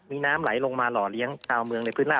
มีน้ำไหลลงมาหล่อเลี้ยงชาวเมืองในพื้นล่า